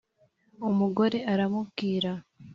umugore aramubwira